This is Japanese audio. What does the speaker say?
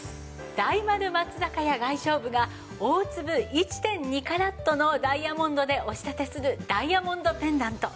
大丸松坂屋外商部が大粒１．２カラットのダイヤモンドでお仕立てするダイヤモンドペンダント。